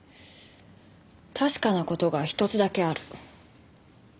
確かな事がひとつだけあるの。